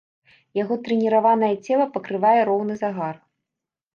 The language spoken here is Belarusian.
Яго трэніраванае цела пакрывае роўны загар.